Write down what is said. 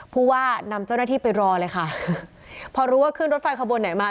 ผู้ว่านำเจ้าหน้าที่ไปรอเลยค่ะพอรู้ว่าขึ้นรถไฟขบวนไหนมา